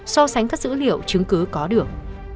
so sánh các dữ liệu chứng cứ có được